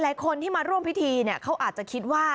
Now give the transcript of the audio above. หลายคนที่มาร่วมพิธีเนี่ยเขาอาจจะคิดว่า